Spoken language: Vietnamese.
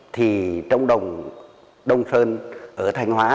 thì trống đồng đông sơn ở thanh hóa